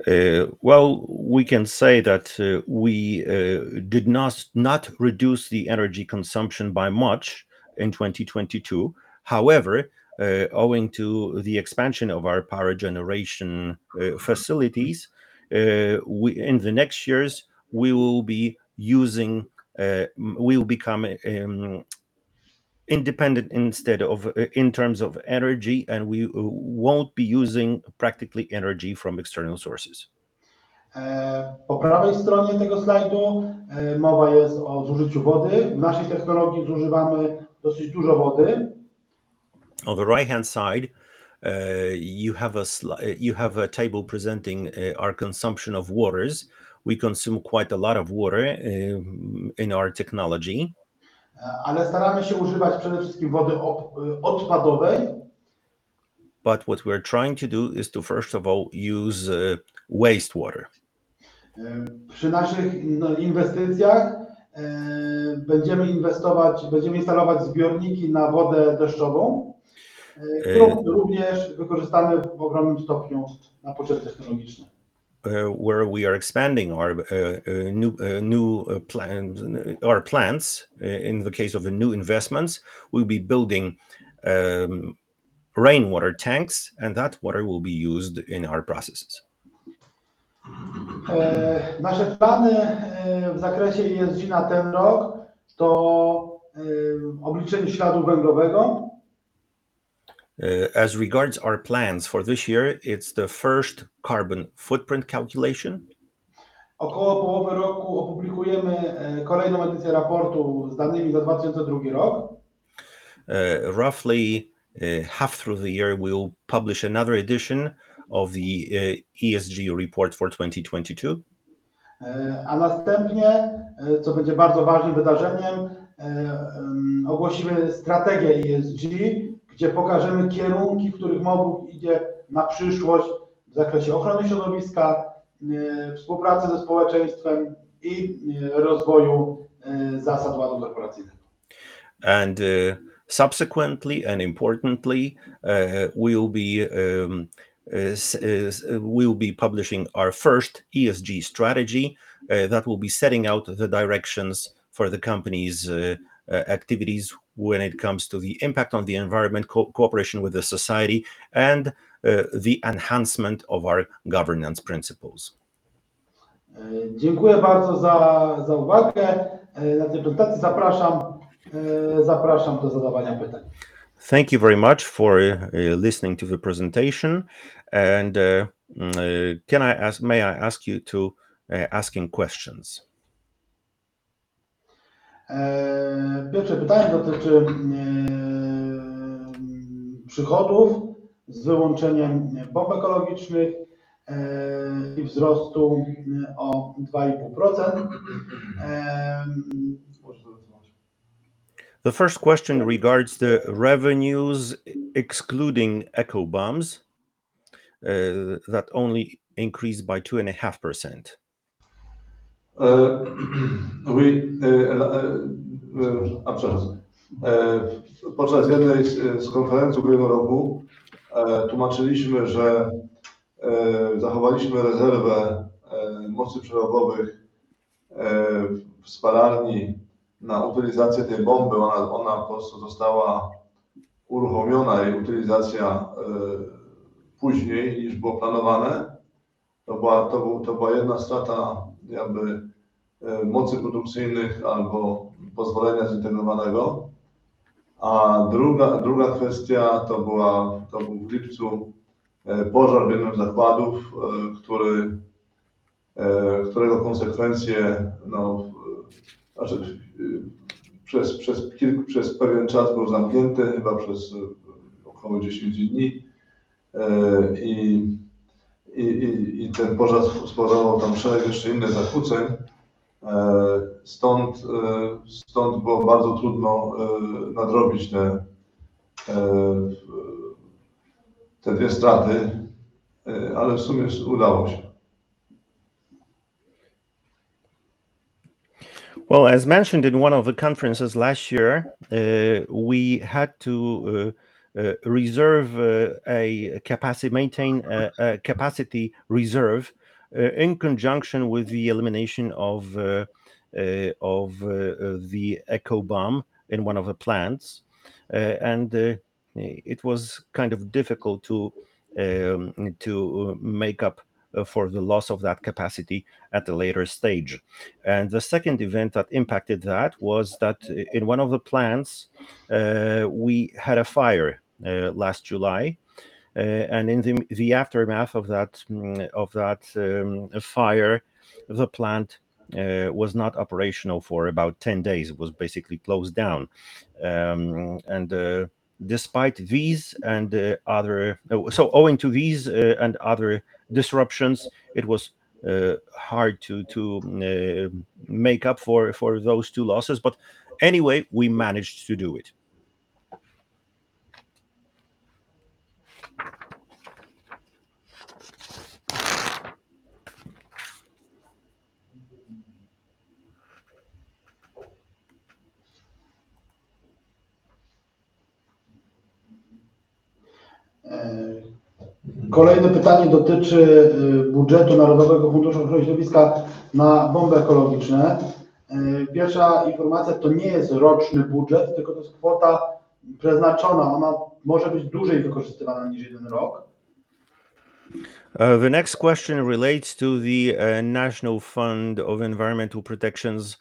Well, we can say that we did not reduce the energy consumption by much in 2022. However, owing to the expansion of our power generation facilities, in the next years, we will become independent in terms of energy, and we won't be using practically energy from external sources. Po prawej stronie tego slajdu, mowa jest o zużyciu wody. W naszej technologii zużywamy dosyć dużo wody. On the right hand side, you have a table presenting our consumption of waters. We consume quite a lot of water, in our technology. Staramy się używać przede wszystkim wody odpadowej. What we're trying to do is to first of all use, wastewater. Przy naszych, no, inwestycjach, będziemy instalować zbiorniki na wodę deszczową, którą również wykorzystamy w ogromnym stopniu na potrzeby technologiczne. Where we are expanding our new plans. In the case of the new investments, we'll be building rainwater tanks, and that water will be used in our processes. Nasze plany, w zakresie ESG na ten rok to, obliczenie śladu węglowego. As regards our plans for this year, it's the first carbon footprint calculation. Około połowy roku opublikujemy kolejną edycję raportu z danymi za 2002 rok. Roughly, half through the year, we will publish another edition of the ESG Report for 2022. Co będzie bardzo ważnym wydarzeniem, ogłosimy strategię ESG, gdzie pokażemy kierunki, w których Mo-BRUK idzie na przyszłość w zakresie ochrony środowiska, współpracy ze społeczeństwem i, rozwoju, zasad ładu korporacyjnego. Subsequently and importantly, we will be publishing our first ESG strategy, that will be setting out the directions for the company's activities when it comes to the impact on the environment, cooperation with the society and, the enhancement of our governance principles. Dziękuję bardzo za uwagę na tej prezentacji. Zapraszam do zadawania pytań. Thank you very much for listening to the presentation. May I ask you to asking questions? Pierwsze pytanie dotyczy przychodów z wyłączeniem bomb ekologicznych i wzrostu o 2.5%. Proszę zarezygnować. The first question regards the revenues excluding eco bombs that only increased by 2.5%. My, a przepraszam. Podczas jednej z konferencji ubiegłego roku, tłumaczyliśmy, że zachowaliśmy rezerwę mocy przerobowych w spalarni na utylizację tej bomby. Ona po prostu została uruchomiona, jej utylizacja później niż było planowane. To była jedna strata, jakby mocy produkcyjnych albo pozwolenia zintegrowanego. Druga kwestia to był w lipcu pożar w jednym z zakładów, którego konsekwencje przez pewien czas był zamknięty, chyba przez około 10 dni. I ten pożar spowodował tam szereg jeszcze innych zakłóceń. Stąd było bardzo trudno nadrobić te dwie straty, ale w sumie udało się. Well, as mentioned in one of the conferences last year, we had to reserve a capacity, maintain a capacity reserve, in conjunction with the elimination of the eco bomb in one of the plants. It was kind of difficult to make up for the loss of that capacity at the later stage. The second event that impacted that was that in one of the plants, we had a fire last July. In the aftermath of that fire, the plant was not operational for about 10 days. It was basically closed down. Despite these and other, so owing to these and other disruptions, it was hard to make up for those two losses. Anyway, we managed to do it. Kolejne pytanie dotyczy budżetu Narodowego Funduszu Ochrony Środowiska na bomby ekologiczne. Pierwsza informacja to nie jest roczny budżet, tylko to jest kwota przeznaczona. Ona może być dłużej wykorzystywana niż jeden rok. The next question relates to the National Fund of Environmental Protection's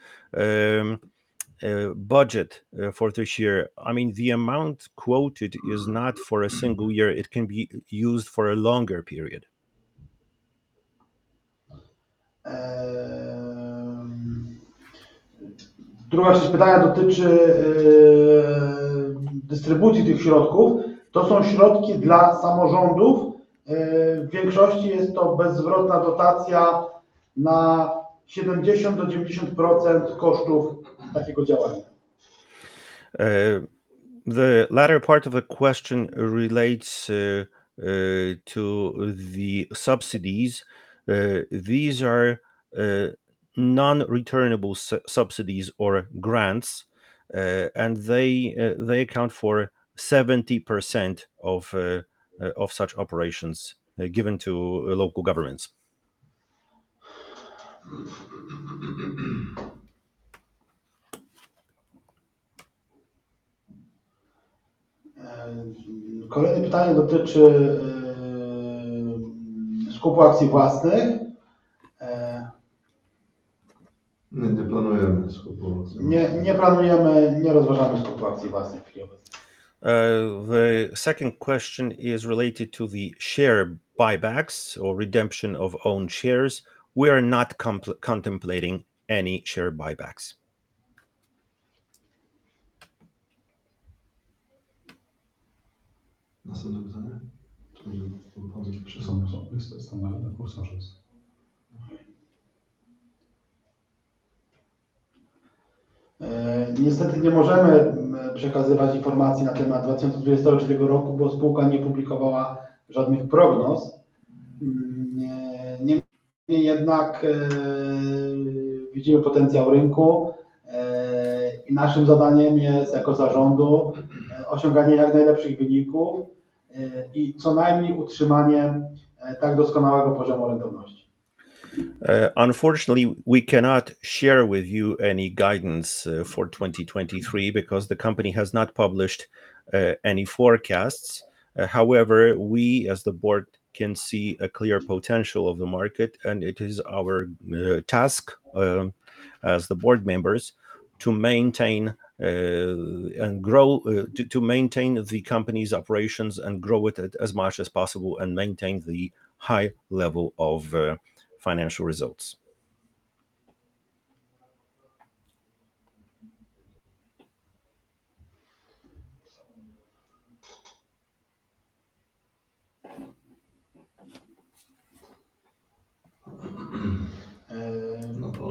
budget for this year. I mean, the amount quoted is not for a single year. It can be used for a longer period. Druga część pytania dotyczy dystrybucji tych środków. To są środki dla samorządów. W większości jest to bezzwrotna dotacja na 70%-90% kosztów takiego działania. The latter part of the question relates to the subsidies. These are non-returnable subsidies or grants. They account for 70% of such operations given to local governments. Kolejne pytanie dotyczy skupu akcji własnych. Nie planujemy skupu akcji własnych. Nie, nie planujemy, nie rozważamy skupu akcji własnych w chwili obecnej. The second question is related to the share buybacks or redemption of own shares. We are not contemplating any share buybacks. Następne pytanie. Może odpowiedź Przemek, bo jest to standardowy konserwatyzm. niestety nie możemy przekazywać informacji na temat 2023 roku, bo spółka nie publikowała żadnych prognoz, Niemniej jednak widzimy potencjał rynku i naszym zadaniem jest jako zarządu osiąganie jak najlepszych wyników i co najmniej utrzymanie tak doskonałego poziomu rentowności. Unfortunately we cannot share with you any guidance for 2023, because the company has not published any forecasts. We as the board can see a clear potential of the market and it is our task as the board members to maintain and grow, to maintain the company's operations and grow with it as much as possible and maintain the high level of financial results.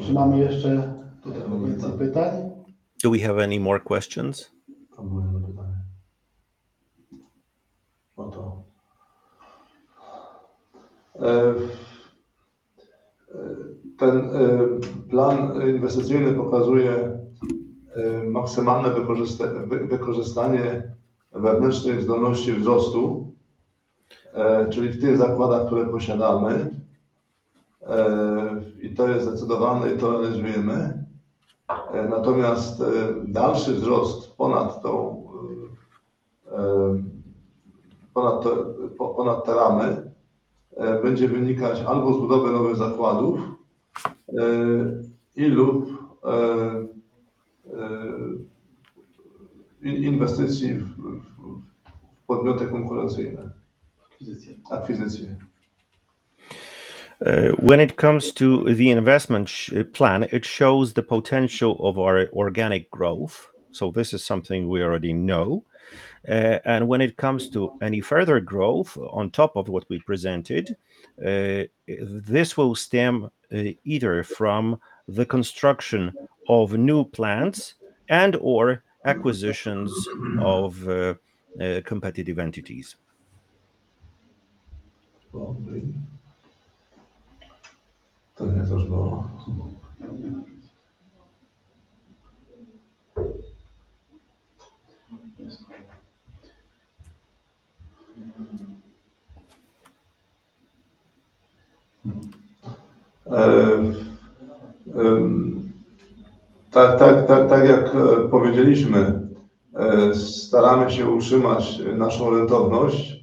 Czy mamy jeszcze tutaj do końca pytań? Do we have any more questions? To moje pytanie. No to. Ten plan inwestycyjny pokazuje maksymalne wykorzystanie wewnętrznej zdolności wzrostu, czyli w tych zakładach, które posiadamy. To jest zdecydowane i to realizujemy. Dalszy wzrost ponad tą ponad te ramy będzie wynikać albo z budowy nowych zakładów, i lub inwestycji w podmioty konkurencyjne. Akwizycje. Akwizycje. When it comes to the investment plan, it shows the potential of our organic growth. This is something we already know. When it comes to any further growth on top of what we presented, this will stem either from the construction of new plants and or acquisitions of competitive entities. Dobry. To nie też było. Tak, tak, tak jak powiedzieliśmy, staramy się utrzymać naszą rentowność.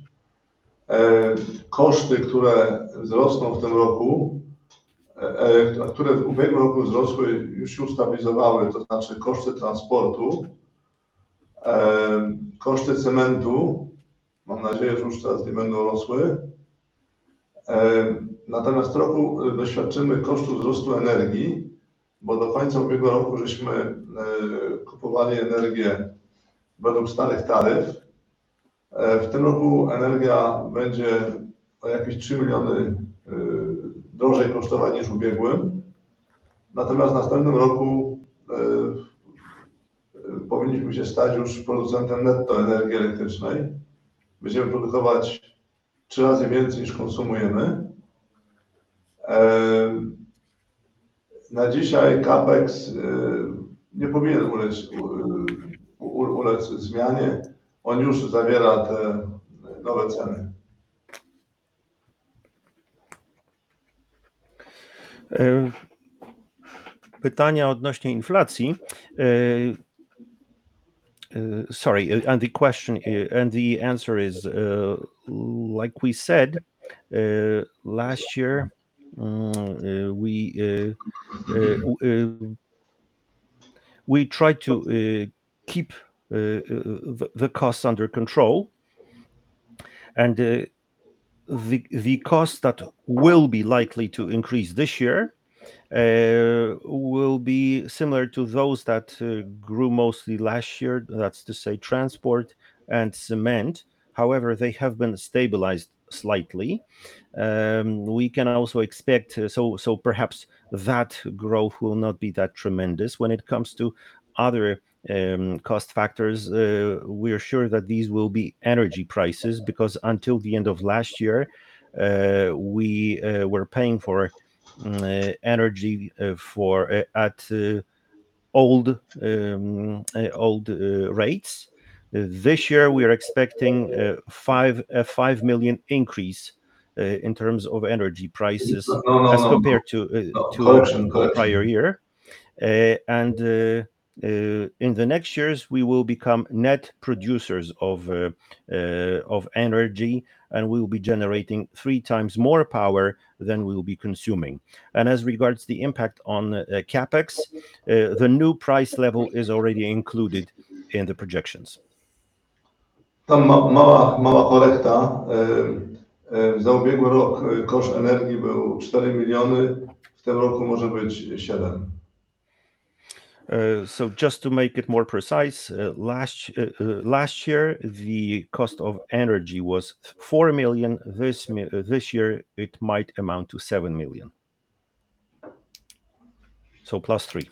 Koszty, które wzrosną w tym roku, które w ubiegłym roku wzrosły, już się ustabilizowały. To znaczy koszty transportu, koszty cementu. Mam nadzieję, że już teraz nie będą rosły. Natomiast w roku doświadczymy kosztu wzrostu energii, bo do końca ubiegłego roku żeśmy kupowali energię według starych taryf. W tym roku energia będzie o jakieś 3 miliony drożej kosztować niż w ubiegłym. Natomiast w następnym roku powinniśmy się stać już producentem netto energii elektrycznej. Będziemy produkować 3 razy więcej niż konsumujemy. Na dzisiaj CapEx nie powinien ulec zmianie. On już zawiera te nowe ceny. Sorry. The question and the answer is, like we said last year, we try to keep the costs under control. The cost that will be likely to increase this year will be similar to those that grew mostly last year. That's to say transport and cement. However, they have been stabilized slightly. We can also expect so perhaps that growth will not be that tremendous when it comes to other cost factors. We are sure that these will be energy prices because until the end of last year, we were paying for energy for at old rates. This year we are expecting 5 million increase in terms of energy prices. Nie, to nie o to. As compared to. Kolejna kwestia. The prior year. In the next years, we will become net producers of energy and we will be generating three times more power than we will be consuming. As regards the impact on CapEx, the new price level is already included in the projections. Tam mała korekta. Za ubiegły rok koszt energii był 4 million. W tym roku może być 7 million. Just to make it more precise. Last year, the cost of energy was 4 million. This year, it might amount to 7 million. So, +3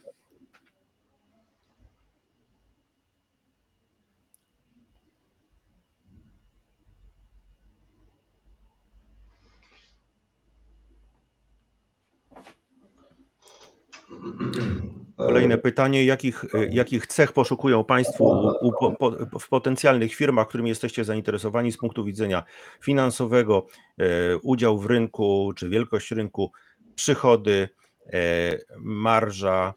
million. Kolejne pytanie. Jakich cech poszukują Państwo u w potencjalnych firmach, którymi jesteście zainteresowani z punktu widzenia finansowego? Udział w rynku czy wielkość rynku, przychody, marża,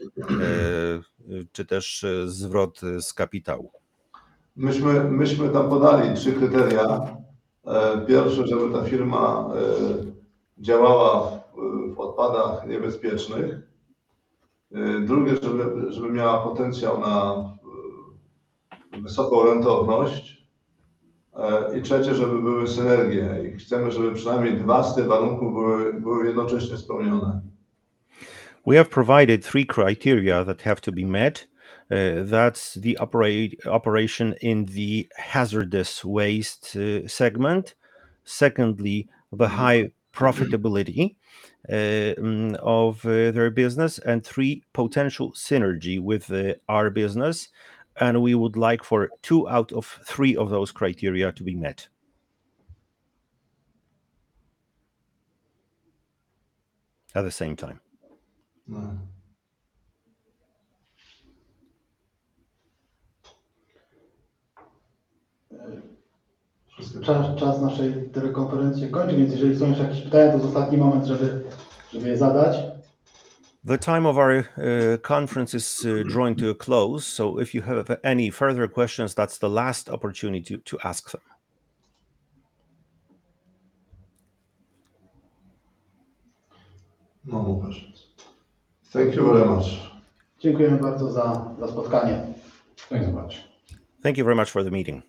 czy też zwrot z kapitału. Myśmy tam podali trzy kryteria. Pierwsze, żeby ta firma działała w odpadach niebezpiecznych. Drugie, żeby miała potencjał na wysoką rentowność. Trzecie, żeby były synergie. Chcemy, żeby przynajmniej dwa z tych warunków były jednocześnie spełnione. We have provided three criteria that have to be met. That's the operation in the hazardous waste segment. Secondly, the high profitability of their business. Three, potential synergy with our business. We would like for two out of three of those criteria to be met at the same time. No. Wszystko. Czas naszej telekonferencji się kończy, więc jeżeli są jeszcze jakieś pytania, to jest ostatni moment, żeby je zadać. The time of our conference is drawing to a close, so if you have any further questions, that's the last opportunity to ask them. No more questions. Thank you very much. Dziękujemy bardzo za spotkanie. Thanks very much. Thank you very much for the meeting.